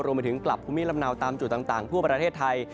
ไปถึงกลับภูมิลำเนาตามจุดต่างทั่วประเทศไทย